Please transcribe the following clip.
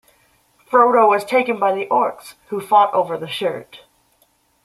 Frodo was taken by the orcs, who fought over the shirt.